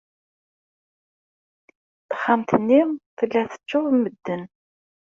Taxxamt-nni tella teččuṛ d medden.